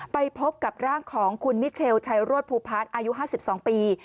ไปพบกับร่างของคุณมิเชลชัยรวดภูพาร์ทอายุ๕๒ปี